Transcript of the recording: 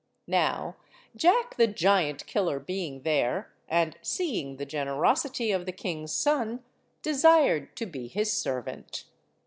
Now Jack the Giant Killer being there, and seeing the generosity of the king's son, desired to be his servant.